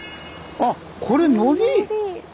あっこれのり！